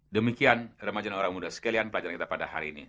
demikian remaja dan orang muda sekalian pelajaran kita pada hari ini